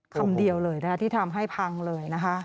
คำเดียวเลยนะคะที่ทำให้พังเลยนะคะ